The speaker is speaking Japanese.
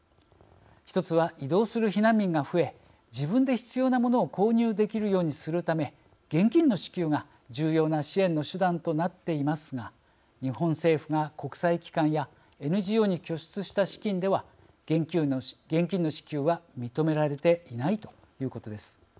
１つは、移動する避難民が増え自分で必要なものを購入できるようにするため現金の支給が重要な支援の手段となっていますが日本政府が国際機関やＮＧＯに拠出した資金では、現金の支給は認められていないということです。